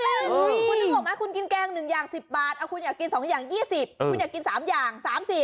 คุณนึกออกไหมคุณกินแกง๑อย่าง๑๐บาทเอาคุณอยากกิน๒อย่าง๒๐คุณอยากกิน๓อย่าง